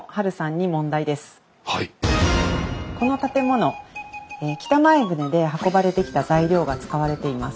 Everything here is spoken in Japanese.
この建物北前船で運ばれてきた材料が使われています。